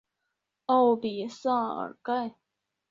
奥比萨尔盖。